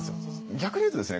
逆に言うとですね